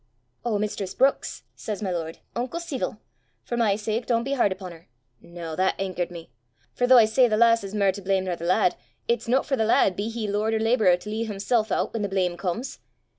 'Oh, mistress Brookes!' says my lord, unco ceevil, 'for my sake don't be hard upon her.' Noo that angert me! For though I say the lass is mair to blame nor the lad, it's no for the lad, be he lord or labourer, to lea' himsel' oot whan the blame comes.